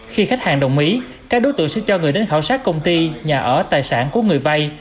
khi khách hàng đồng ý các đối tượng sẽ cho người đến khảo sát công ty nhà ở tài sản của người vay